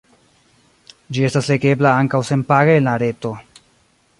Ĝi estas legebla ankaŭ senpage en la reto.